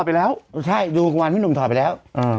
ดูทัวร์ซังวันไปพี่หนุ่มถอดไปแล้ว